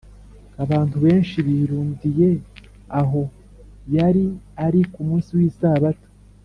abantu benshi birundiye aho yari ari ku munsi w’isabato